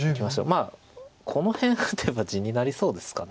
まあこの辺打てば地になりそうですか。